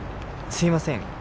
すいません